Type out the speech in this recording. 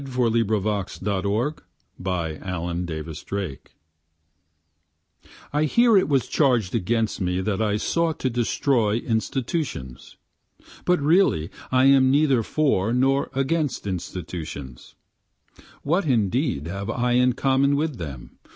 I Hear It Was Charged Against Me I hear it was charged against me that I sought to destroy institutions, But really I am neither for nor against institutions, (What indeed have I in common with them?